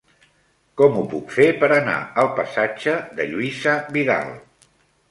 Com ho puc fer per anar al passatge de Lluïsa Vidal?